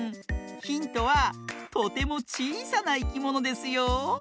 ヒントはとてもちいさないきものですよ。